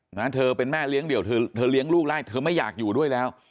นะเธอเป็นแม่เลี้ยงเดี่ยวเธอเธอเลี้ยงลูกได้เธอไม่อยากอยู่ด้วยแล้ว